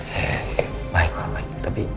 hei baik pak baik